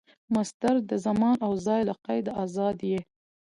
مصدر د زمان او ځای له قیده آزاد يي.